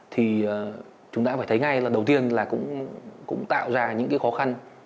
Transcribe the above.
thì chúng ta phải thấy ngay lần đầu tiên là cũng tạo ra những cái khó khăn